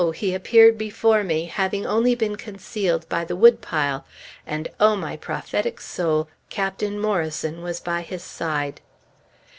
he appeared before me, having only been concealed by the wood pile, and O my prophetic soul! Captain Morrison was by his side!